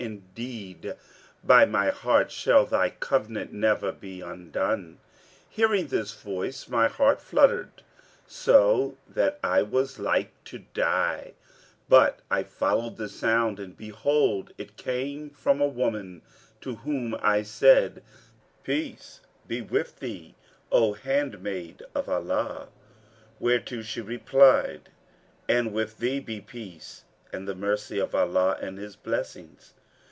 Indeed, by my heart shall Thy covenant never be undone.' Hearing this voice, my heart fluttered so that I was like to die; but I followed the sound and behold, it came from a woman, to whom I said, 'Peace be with thee, O handmaid of Allah;' whereto she replied, 'And with thee be peace, and the mercy of Allah and His blessings!'